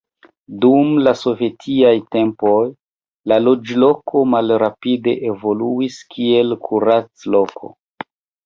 Dum la sovetiaj tempoj la loĝloko malrapide evoluis kiel kurac-loko.